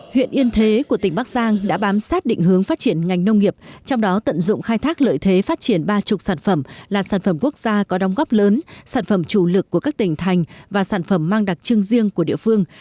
huyện yên thế của tỉnh bắc giang đã bám sát định hướng phát triển ngành nông nghiệp trong đó tận dụng khai thác lợi thế phát triển ba mươi sản phẩm là sản phẩm quốc gia có đóng góp lớn sản phẩm chủ lực của các tỉnh thành và sản phẩm mang đặc trưng riêng của địa phương